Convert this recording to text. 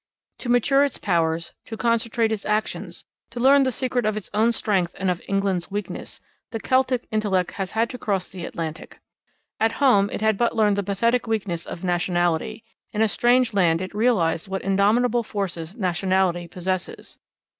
To mature its powers, to concentrate its actions, to learn the secret of its own strength and of England's weakness, the Celtic intellect has had to cross the Atlantic. At home it had but learned the pathetic weakness of nationality; in a strange land it realised what indomitable forces nationality possesses.